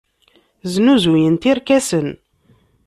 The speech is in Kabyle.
Snuzuyent irkasen.